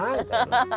ハハハハ。